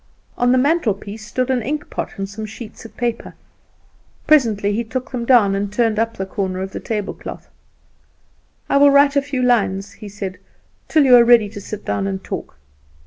On the mantelpiece stood an inkpot and some sheets of paper. Presently he took them down and turned up the corner of the tablecloth. "I will write a few lines," he said; "till you are ready to sit down and talk."